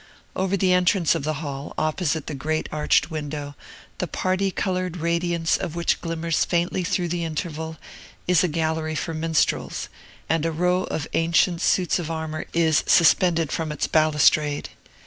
Over the entrance of the hall, opposite the great arched window, the party colored radiance of which glimmers faintly through the interval, is a gallery for minstrels; and a row of ancient suits of armor is suspended from its balustrade.